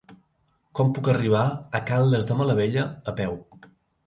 Com puc arribar a Caldes de Malavella a peu?